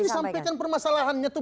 jelas kan disampaikan permasalahannya tuh